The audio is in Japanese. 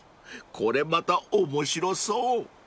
［これまた面白そう］